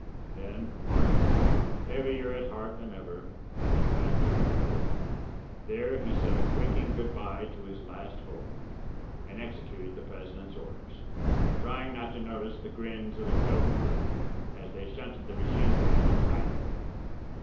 Then Martin, heavier at heart than ever, went back to Northport. There he said a quaking good bye to his last hope and executed the president's orders, trying not to notice the grins of the "goat" crew as they shunted the machinery into hiding.